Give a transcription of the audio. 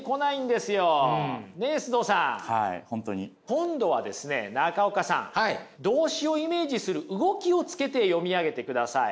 今度はですね中岡さん動詞をイメージする動きをつけて読みあげてください。